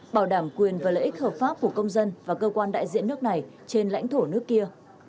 bảo đảm quyền và lợi ích hợp pháp của công dân và cơ quan đại diện nước này trên lãnh thổ nước kia